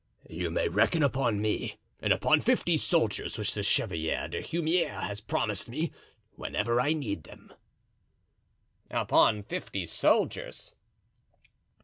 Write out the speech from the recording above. "You may reckon upon me and upon fifty soldiers which the Chevalier d'Humieres has promised me whenever I need them." "Upon fifty soldiers?"